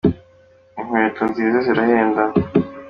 Inkweto nziza zirahenda.